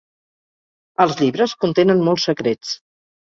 Els llibres contenen molts secrets.